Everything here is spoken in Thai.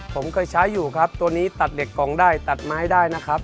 ผมเคยใช้อยู่ครับตัวนี้ตัดเหล็กกองได้ตัดไม้ได้นะครับ